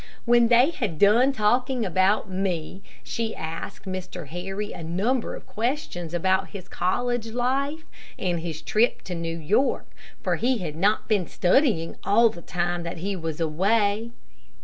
When they had done talking about me, she asked Mr. Harry a number of questions about his college life, and his trip to New York, for he had not been studying all the time that he was away.